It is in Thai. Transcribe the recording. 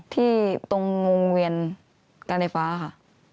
ที่ตรงวงเวียนกาลไนฟ้าค่ะ